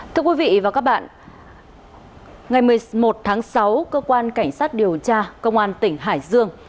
thưa quý vị và các bạn ngày một mươi một tháng sáu cơ quan cảnh sát điều tra công an tỉnh hải dương